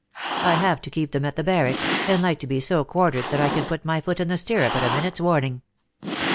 I have to keep them at the barracks, and like to be so quartered that I can put my foot in the stirrup at a minute s warning."